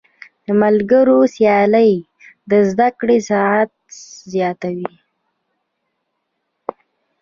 د ملګرو سیالۍ د زده کړې سرعت زیاتوي.